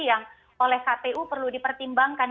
yang oleh kpu perlu dipertimbangkan